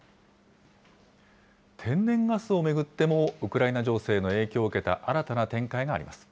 天然ガスを巡っても、ウクライナ情勢の影響を受けた新たな展開があります。